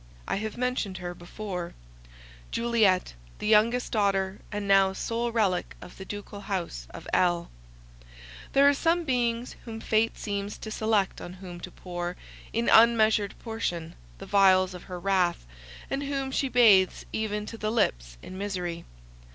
I have mentioned her before: Juliet, the youngest daughter, and now sole relic of the ducal house of L— . There are some beings, whom fate seems to select on whom to pour, in unmeasured portion, the vials of her wrath, and whom she bathes even to the lips in misery.